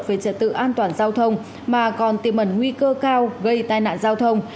về trật tự an toàn giao thông mà còn tiềm ẩn nguy cơ cao gây tai nạn giao thông